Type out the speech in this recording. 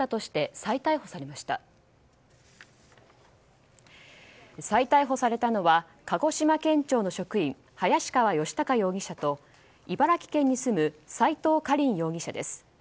再逮捕されたのは鹿児島県庁の職員林川吉貴容疑者と茨城県に住む斉藤果林容疑者です。